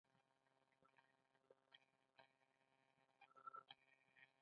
دوی د ملي یووالي خبرې د بهرنیانو لپاره کوي.